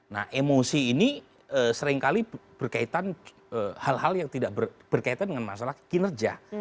nah emosi ini seringkali berkaitan hal hal yang tidak berkaitan dengan masalah kinerja